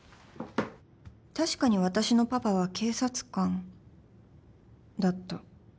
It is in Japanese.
確かに私のパパは警察官だった